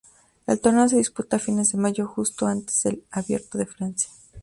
El torneo se disputa a fines de mayo justo antes del Abierto de Francia.